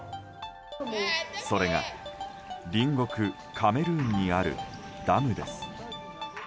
それが、隣国カメルーンにあるダムです。